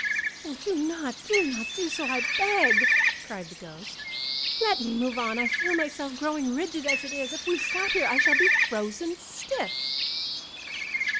"Do not! Do not do so, I beg!" cried the ghost. "Let me move on. I feel myself growing rigid as it is. If we stop here, I shall be frozen stiff."